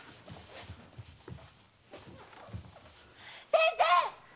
・先生！